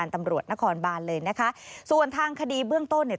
ตำรวจนครบานเลยนะคะส่วนทางคดีเบื้องต้นเนี่ย